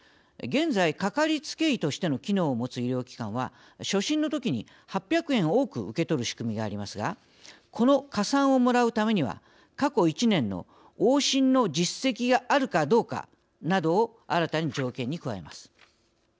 現在かかりつけ医としての機能を持つ医療機関は初診のときに８００円多く受け取る仕組みがありますがこの加算をもらうためには過去１年の往診の実績があるかどうかなどを新たに条件に加えます。